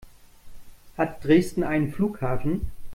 Hat Dresden einen Flughafen?